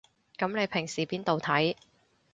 噉你平時邊度睇